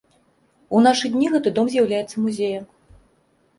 У нашы дні гэты дом з'яўляецца музеям.